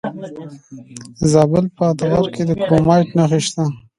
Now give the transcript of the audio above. د زابل په اتغر کې د کرومایټ نښې شته.